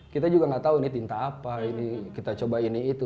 kita juga nggak tahu ini tinta apa ini kita coba ini itu